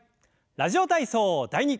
「ラジオ体操第２」。